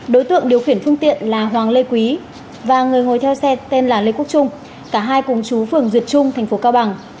đối tượng điều khiển phương tiện là hoàng lê quý và người ngồi theo xe tên là lê quốc trung cả hai cùng chú phường duyệt trung thành phố cao bằng